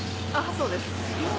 そうです。